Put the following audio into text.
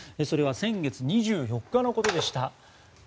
それは先月２４日のことでした。